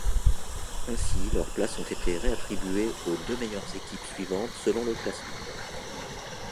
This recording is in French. Ainsi, leurs places ont été réattribuées aux deux meilleures équipes suivantes selon le classement.